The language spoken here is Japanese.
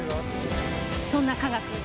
そんな科学